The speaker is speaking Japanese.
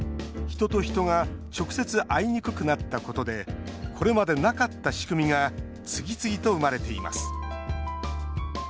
人と人が直接、会いにくくなったことでこれまでなかった仕組みが次々と生まれています。